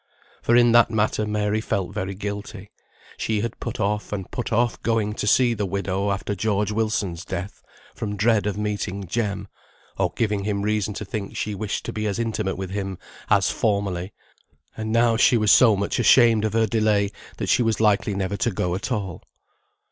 For in that matter Mary felt very guilty; she had put off and put off going to see the widow after George Wilson's death from dread of meeting Jem, or giving him reason to think she wished to be as intimate with him as formerly; and now she was so much ashamed of her delay that she was likely never to go at all.